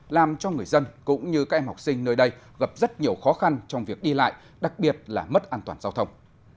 làm cho người dân cũng như các em học sinh nơi đây gặp rất nhiều khó khăn trong việc đi lại đặc biệt là mất an toàn giao thông